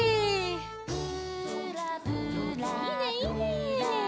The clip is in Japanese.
いいねいいね！